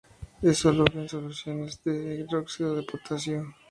Es soluble en soluciones de hidróxido de potasio.